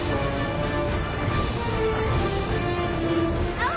あっ！